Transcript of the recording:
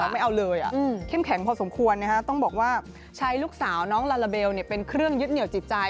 ไม่เอาเลยเข้มแข็งพอสมควรต้องบอกว่าใช้ลูกสาวน้องลาลาเบลเป็นเครื่องยึดเหนียวจิตใจ